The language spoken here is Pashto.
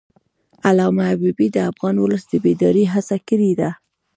علامه حبیبي د افغان ولس د بیدارۍ هڅه کړې ده.